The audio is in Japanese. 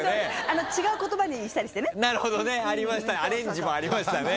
違う言葉にしたりしてね。